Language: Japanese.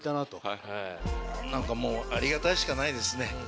何かもうありがたいしかないですね。